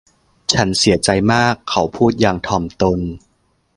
ฉันเสียใจมาก เขาพูดอย่างถ่อมตน